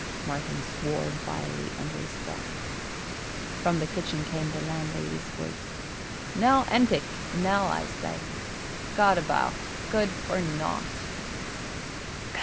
Martin swore vilely under his breath. From the kitchen came the landlady's voice. "Nell Entick, Nell, I say! Gad about! Good for nought!"